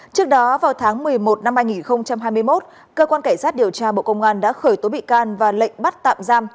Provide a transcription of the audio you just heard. trước đó vào tháng một mươi một năm hai nghìn hai mươi một cơ quan cảnh sát điều tra bộ công an đã khởi tố bị can và lệnh bắt tạm giam